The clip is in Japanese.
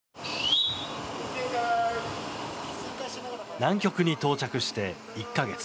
南極に到着して１か月。